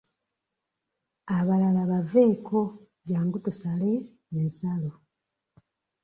Abalala baveeko jjangu tusale ensalo.